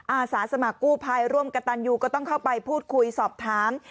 อาสาสมัครกู้ภัยร่วมกับตันยูก็ต้องเข้าไปพูดคุยสอบถาม